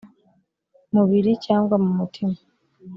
mubiri cyangwa mu mutima